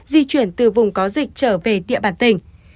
di chuyển từ vùng có dịch trở về địa bàn tỉnh